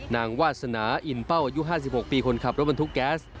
วาสนาอินเป้าอายุ๕๖ปีคนขับรถบรรทุกแก๊ส